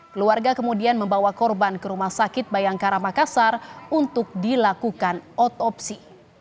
keluarga kemudian membawa korban ke rumah sakit bayangkara makassar untuk dilakukan otopsi